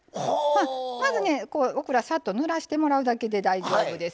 まず、オクラをさっとぬらしてもらうだけで大丈夫です。